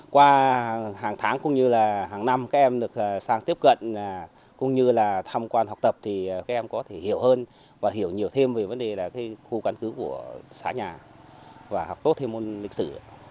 qua hàng tháng cũng như là hàng năm các em được sang tiếp cận cũng như là tham quan học tập thì các em có thể hiểu hơn và hiểu nhiều thêm về vấn đề là khu căn cứ của xã nhà và học tốt thêm môn lịch sử